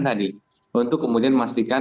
tadi untuk kemudian memastikan